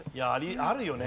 あるよね